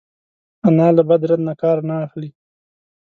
انا له بد رد نه کار نه اخلي